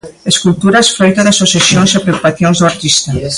Esculturas froito das obsesións e preocupacións do artista.